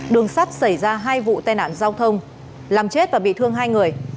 đường sắt xảy ra hai vụ tai nạn giao thông làm chết và bị thương hai người